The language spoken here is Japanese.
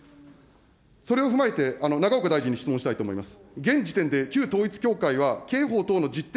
それを踏まえて、永岡大臣に質問したいと思います。